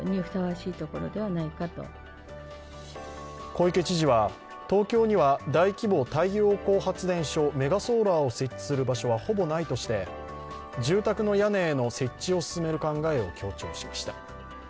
小池知事は東京には大規模太陽光発電所、メガソーラーを設置する場所はほぼないとして、住宅の屋根への設置を進める考えを強調しました。